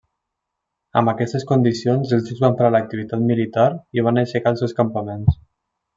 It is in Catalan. Amb aquestes condicions els ducs van parar l'activitat militar i van aixecar els seus campaments.